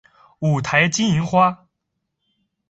五台金银花